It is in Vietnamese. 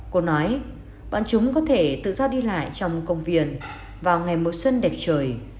cô nói bọn chúng có thể tự do đi lại trong công viên vào ngày mùa xuân đẹp trời